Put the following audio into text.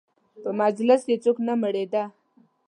په مجلس یې څوک نه مړېده.